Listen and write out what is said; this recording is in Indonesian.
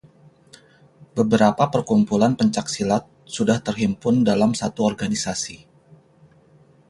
beberapa perkumpulan pencak silat sudah terhimpun dalam satu organisasi